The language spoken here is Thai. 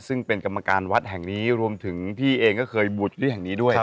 ซึ่งเป็นกรรมการวัดแห่งนี้รวมถึงพี่เองก็เคยบวชที่แห่งนี้ด้วย